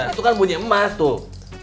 itu kan bunyi emas tuh